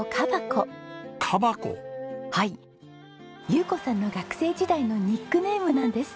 優子さんの学生時代のニックネームなんです。